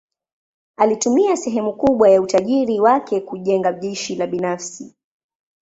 Alitumia sehemu kubwa ya utajiri wake kujenga jeshi la binafsi.